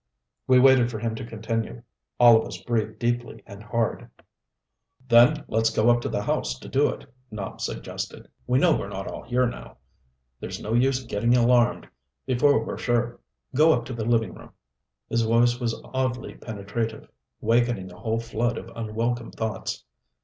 We waited for him to continue. All of us breathed deeply and hard. "Then let's go up to the house to do it," Nopp suggested. "We know we're not all here now there's no use getting alarmed before we're sure. Go up to the living room." His voice was oddly penetrative, wakening a whole flood of unwelcome thoughts....